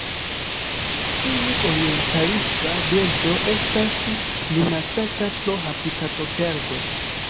Tiu orientalisa birdo estas minacata pro habitatoperdo.